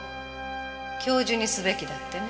教授にすべきだってね。